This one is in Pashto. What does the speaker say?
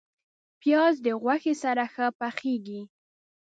پیاز د غوښې سره ښه پخیږي